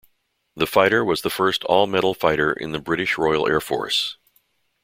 The fighter was the first all-metal fighter in the British Royal Air Force.